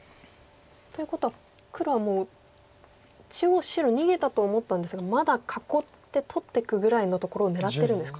ということは黒はもう中央白逃げたと思ったんですがまだ囲って取っていくぐらいのところを狙ってるんですか？